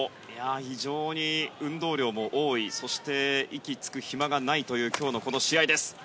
非常に運動量も多いそして息つく暇がないという今日のこの試合です。